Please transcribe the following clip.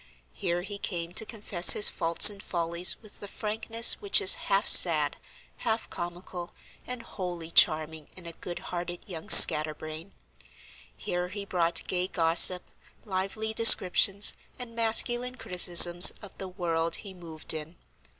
Here he came to confess his faults and follies with the frankness which is half sad, half comical, and wholly charming in a good hearted young scatter brain. Here he brought gay gossip, lively descriptions, and masculine criticisms of the world he moved in.